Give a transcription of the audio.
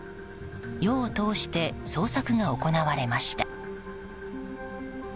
夜を通して捜索が行われました。